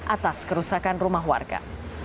atas kerusakan rumah warga